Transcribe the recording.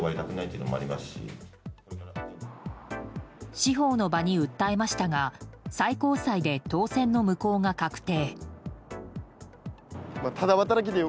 司法の場に訴えましたが最高裁で当選の無効が確定。